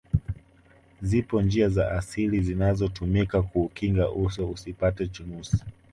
zipo njia za asili zinazotumika kuukinga uso usipate chunusi